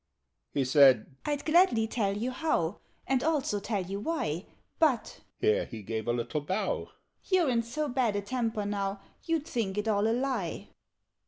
He said "I'd gladly tell you how, And also tell you why; But" (here he gave a little bow) "You're in so bad a temper now, You'd think it all a lie.